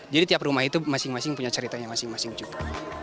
jadi tiap rumah itu masing masing punya ceritanya masing masing juga